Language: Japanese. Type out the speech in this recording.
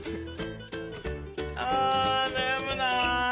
あなやむな。